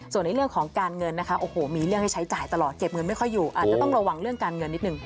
ส่วนในเรื่องของการเงินนะคะโอ้โหมีเรื่องให้ใช้จ่ายตลอดเก็บเงินไม่ค่อยอยู่อาจจะต้องระวังเรื่องการเงินนิดนึง